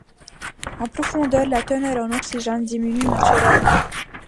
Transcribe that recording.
En profondeur la teneur en oxygène diminue naturellement.